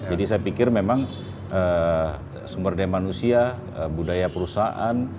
jadi saya pikir memang sumber daya manusia budaya perusahaan